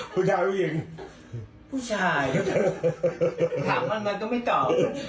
ผู้ชายถามมามันก็ไม่ตอบ